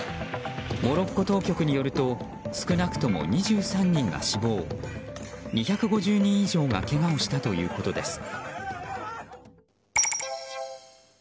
モロッコ当局によると少なくとも２３人が死亡２５０人以上がけがをしたということです。